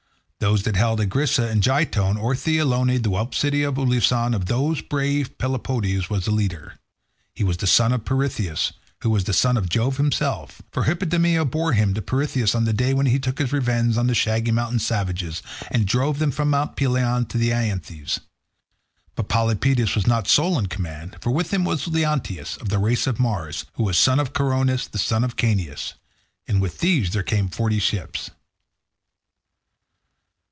Those that held Argissa and Gyrtone, Orthe, Elone, and the white city of Oloosson, of these brave Polypoetes was leader. He was son of Pirithous, who was son of Jove himself, for Hippodameia bore him to Pirithous on the day when he took his revenge on the shaggy mountain savages and drove them from Mt. Pelion to the Aithices. But Polypoetes was not sole in command, for with him was Leonteus, of the race of Mars, who was son of Coronus, the son of Caeneus. And with these there came forty ships.